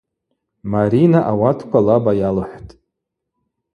Марина ауатква лаба йалхӏвхтӏ.